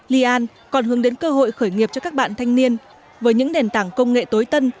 lian còn hướng đến cơ hội khởi nghiệp cho các bạn thanh niên với những nền tảng công nghệ tối tân